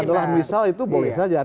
kalau misalnya itu boleh saja